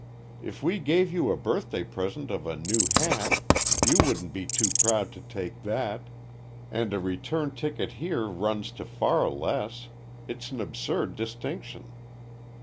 "If we gave you a birthday present of a new hat you wouldn't be too proud to take that, and a return ticket here runs to far less. It's an absurd distinction."